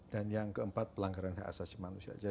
dan yang keempat pelanggaran hak asasi manusia